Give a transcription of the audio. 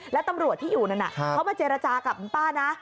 แล้วตำรวจที่อยู่นั่นเขามาเจรจากับคุณป้านะ